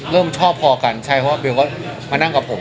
เริ่มชอบพอกันใช่เพราะว่าเบลก็มานั่งกับผม